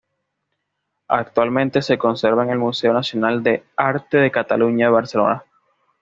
Actualmente se conserva en el Museo Nacional de Arte de Cataluña en Barcelona.